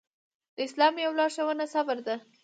د اسلام يوه لارښوونه صبر ده.